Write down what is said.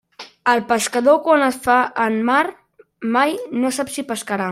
El pescador quan es fa en mar mai no sap si pescarà.